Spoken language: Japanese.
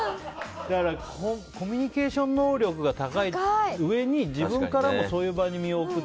コミュニケーション能力が高いうえに自分からもそういう場に身を置く。